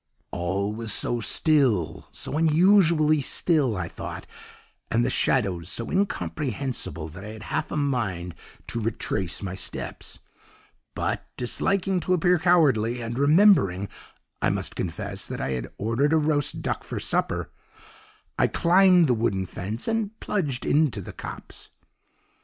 "'All was so still, so unusually still I thought, and the shadows so incomprehensible that I had half a mind to retrace my steps, but, disliking to appear cowardly, and remembering, I must confess, that I had ordered a roast duck for supper, I climbed the wooden fence and plunged into the copse.